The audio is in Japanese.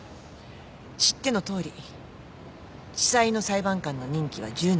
知ってのとおり地裁の裁判官の任期は１０年。